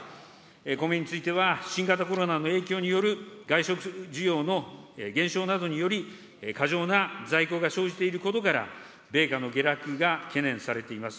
米については、新型コロナの影響による外食需要の減少などにより、過剰な在庫が生じていることから、米価の下落が懸念されています。